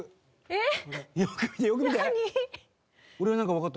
えっ！？